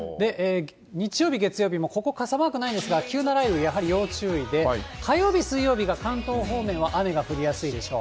日曜日、月曜日もここ傘マークないんですが、急な雷雨、やはり要注意で、火曜日、水曜日が関東方面は雨が降りやすいでしょう。